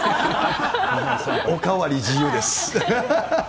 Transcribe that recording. お代わり自由です。